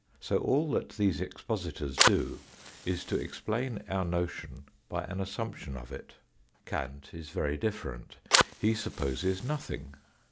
So all that these expositors do is to explain our notion by an assumption of it. Kant is very different. He supposes nothing.